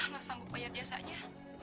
gak sanggup bayar jasanya